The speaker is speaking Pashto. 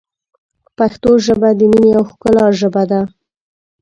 پښتو ژبه ، د مینې او ښکلا ژبه ده.